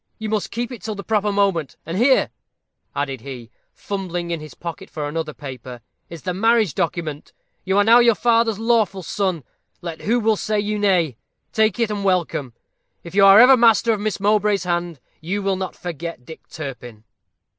You must keep it till the proper moment. And here," added he, fumbling in his pocket for another paper, "is the marriage document. You are now your father's lawful son, let who will say you nay. Take it and welcome. If you are ever master of Miss Mowbray's hand, you will not forget Dick Turpin."